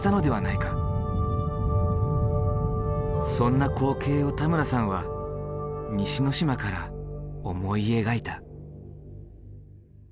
そんな光景を田村さんは西之島から思い描いた。